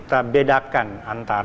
antara pihak yang melaksanakan atas